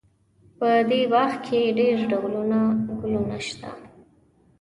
په دې باغ کې ډېر ډولونه ګلونه شته